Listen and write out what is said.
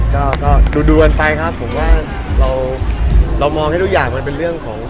ก็ดูกันไปครับผมว่าเรามองให้ทุกอย่างมันเป็นเรื่องของ